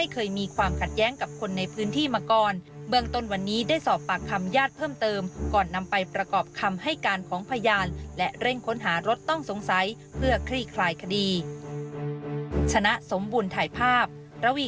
เกลียดจริงคนฆ่าเกลียดจริงมันไม่เหมาะหนังหันร่างไอไอ